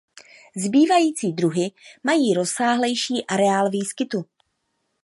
Zbývající druhy mají rozsáhlejší areál výskytu.